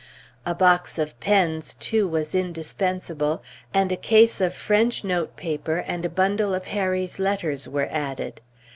A box of pens, too, was indispensable, and a case of French note paper, and a bundle of Harry's letters were added.